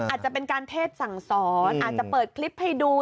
อาจจะเป็นการเทศสั่งสอนอาจจะเปิดคลิปให้ดู